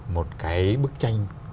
một cái bức tranh